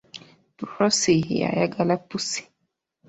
Prosy yayagala pussi.